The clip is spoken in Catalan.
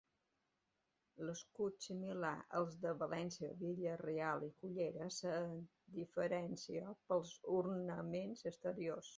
L'escut, similar als de València, Vila-real i Cullera, se'n diferencia pels ornaments exteriors.